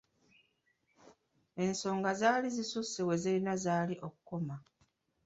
Ensonga zaali zisusse we zaali zirina okukoma.